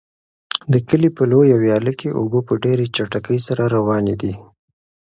د کلي په لویه ویاله کې اوبه په ډېرې چټکۍ سره روانې دي.